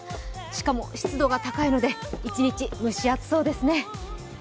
しかも湿度が高いので一日、蒸し暑そうですね。